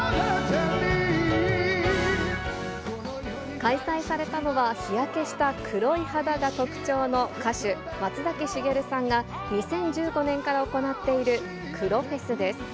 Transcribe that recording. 開催されたのは、日焼けした黒い肌が特徴の歌手、松崎しげるさんが２０１５年から行っている黒フェスです。